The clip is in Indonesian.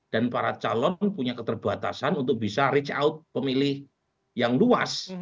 dan para calon punya keterbatasan untuk bisa reach out pemilih yang luas